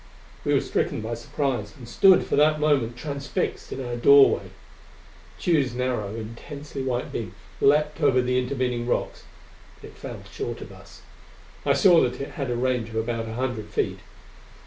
We were stricken by surprise, and stood for that moment transfixed in our doorway. Tugh's narrow, intensely white beam leaped over the intervening rocks; but it fell short of us. I saw that it had a range of about a hundred feet.